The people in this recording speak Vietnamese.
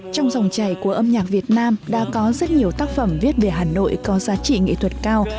trong dòng chảy của âm nhạc việt nam đã có rất nhiều tác phẩm viết về hà nội có giá trị nghệ thuật cao